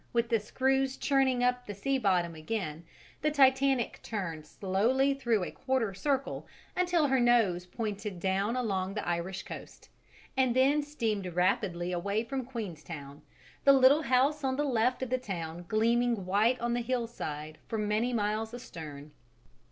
with the screws churning up the sea bottom again, the Titanic turned slowly through a quarter circle until her nose pointed down along the Irish coast, and then steamed rapidly away from Queenstown, the little house on the left of the town gleaming white on the hillside for many miles astern.